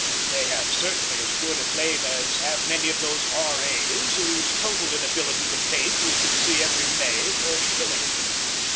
They have certainly as good a claim as have many of those R.A.'s whose total inability to paint we can see every May for a shilling.